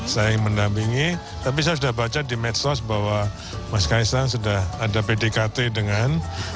saya ingin mendampingi tapi saya sudah baca di medsos bahwa mas kaisang sudah ada pdkt dengan